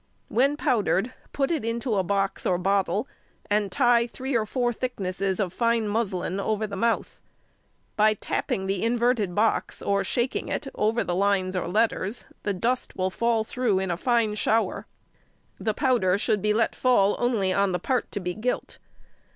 When powdered put it into a box or bottle, and tie three or four thicknesses of fine muslin over the mouth. By tapping the inverted box, or shaking |146| it over the lines or letters, the dust will fall through in a fine shower. The powder should fall only on the part to be gilt.